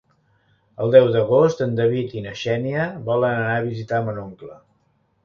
El deu d'agost en David i na Xènia volen anar a visitar mon oncle.